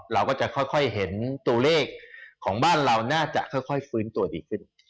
เราก็จะค่อยเห็นตัวเลขของบ้านเราน่าจะค่อยฟื้นตัวดีขึ้น